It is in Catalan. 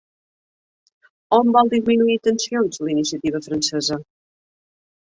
On vol disminuir tensions la iniciativa francesa?